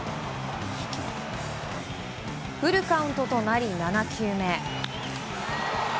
フルカウントとなり７球目。